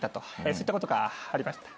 そういったことがありました。